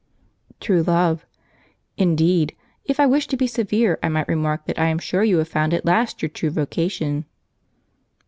True Love. "Indeed! If I wished to be severe I might remark: that I am sure you have found at last your true vocation!"